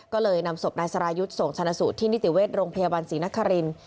ก็เลยนำศพนายสรายุทธ์ส่งชนะสูตรที่นิติเวชโรงพยาบาลศรีนครินทร์